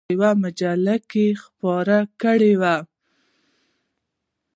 په یوه مجلد کې خپور کړی و.